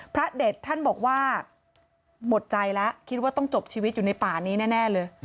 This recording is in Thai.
พระเด็ดท่านบอกว่าหมดใจแล้วคิดว่าต้องจบชีวิตอยู่ในป่านี้แน่เลย